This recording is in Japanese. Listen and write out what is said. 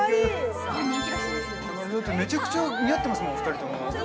めちゃくちゃ似合ってますもん、お二人とも。